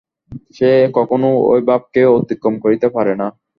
সে কখনও ঐ ভাবকে অতিক্রম করিতে পারে না।